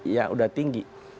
iya udah tinggi